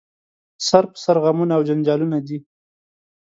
سر په سر غمونه او جنجالونه دي